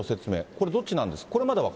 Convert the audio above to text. これ、どっちなんです？